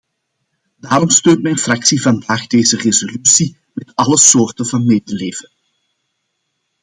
Daarom steunt mijn fractie vandaag deze resolutie met alle soorten van medeleven.